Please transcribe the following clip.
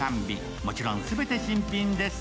もちろん全て新品です。